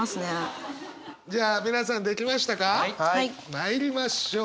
まいりましょう。